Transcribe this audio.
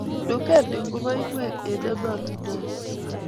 Duket ni koba ingweny eng emonotok oo